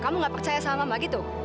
kamu gak percaya sama mbak gitu